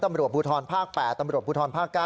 ตำรวจภูทรภาค๘ตำรวจภูทรภาค๙